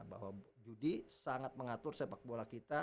bahwa judi sangat mengatur sepak bola kita